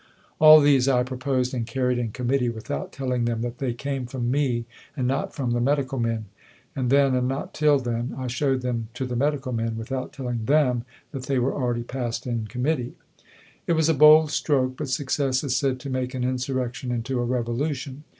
All these I proposed and carried in Committee, without telling them that they came from me and not from the Medical Men; and then, and not till then, I showed them to the Medical Men, without telling them that they were already passed in committee. It was a bold stroke, but success is said to make an insurrection into a revolution.